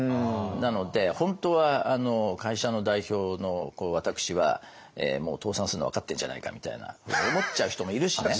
なので本当は会社の代表の私はもう倒産するの分かってんじゃないかみたいな思っちゃう人もいるしね。